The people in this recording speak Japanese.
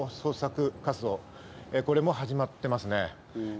水面の制作活動、これも始まっていますね。